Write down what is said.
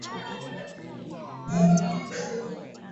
Mama hajui kukimbia